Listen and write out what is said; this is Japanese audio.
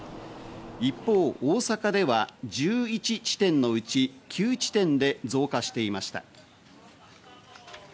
一方、大阪では１１地点のうち９地点で増加していました。